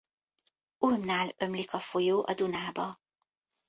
Ulmnál ömlik a folyó a Dunába.